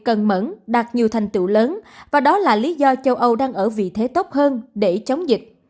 cần mẫn đạt nhiều thành tựu lớn và đó là lý do châu âu đang ở vị thế tốt hơn để chống dịch